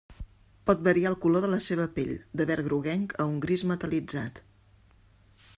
Pot variar el color de la seva pell de verd groguenc a un gris metal·litzat.